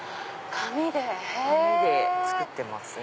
紙で作ってますね。